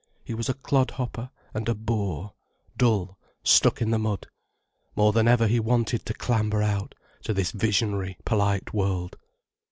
He was a clod hopper and a boor, dull, stuck in the mud. More than ever he wanted to clamber out, to this visionary polite world.